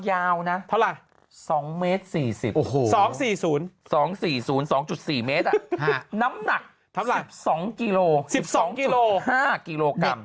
ยาวนะเท่าไหร่๒เมตร๔๐๒๔๐๒๔๐๒๔เมตรน้ำหนัก๑๒กิโล๑๒กิโล๕กิโลกรัม